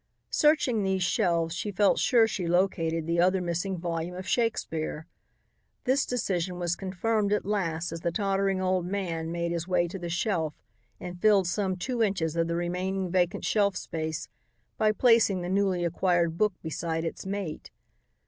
Searching these shelves, she felt sure she located the other missing volume of Shakespeare. This decision was confirmed at last as the tottering old man made his way to the shelf and filled some two inches of the remaining vacant shelf space by placing the newly acquired book beside its mate.